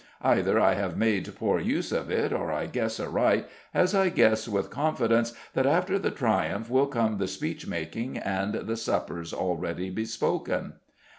Either I have made poor use of it or I guess aright, as I guess with confidence, that after the triumph will come the speech making, and the supper's already bespoken."